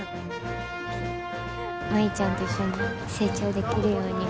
舞ちゃんと一緒に成長できるように。